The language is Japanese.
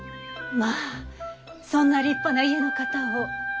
まあそんな立派な家の方を？